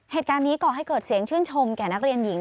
เหตุการณ์นี้ก่อให้เกิดเสียงชื่นชมแก่นักเรียนหญิง